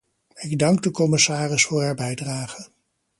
Ik dank de commissaris voor haar bijdrage.